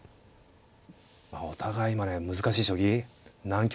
お互い今ね難しい将棋難局